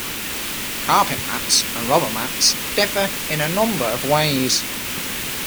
Carpet mats and rubber mats differ in a number of ways.